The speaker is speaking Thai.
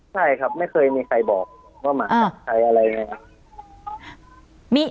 ใช่ครับไม่เคยมีใครบอกว่าหมากับใครอะไรไงครับ